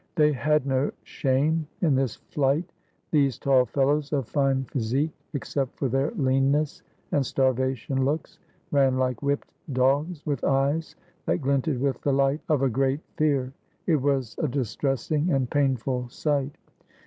They had no shame in this flight. These tall fellows of fine physique, except for their leanness and starvation looks, ran like whipped dogs, with eyes that glinted with the light of a great fear. It was a distressing and painful sight.